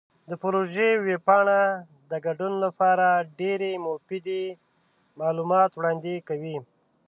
د پروژې ویب پاڼه د ګډون لپاره ډیرې مفیدې معلومات وړاندې کوي.